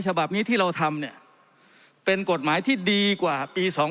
ฉบับนี้ที่เราทำเนี่ยเป็นกฎหมายที่ดีกว่าปี๒๕๖